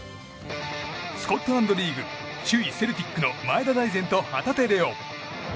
スコットランドリーグ首位セルティックの前田大然と旗手怜央。